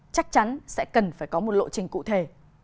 chắc chắn sẽ cần phải có một lộ trình cụ thể